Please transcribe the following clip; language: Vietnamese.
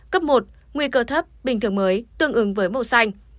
cấp một nguy cơ thấp bình thường mới tương ứng với màu xanh